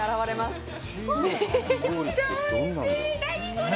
これ！